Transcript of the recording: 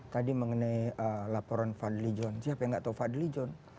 tadi mengenai laporan fadli john siapa yang nggak tahu fadli john